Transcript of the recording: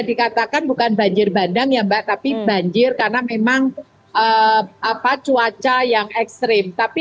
dikatakan bukan banjir bandang yang bakapi banjir karena memang apa cuaca yang ekstrim tapi